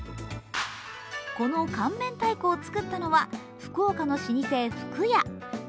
この缶明太子を作ったのは福岡の老舗ふくや。